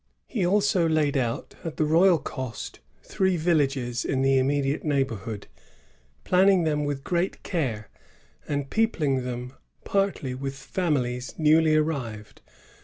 He also laid out at the royal cost three villages in the immediate neighborhood, planning them with great care, and peopling them partly with families newly arriCed.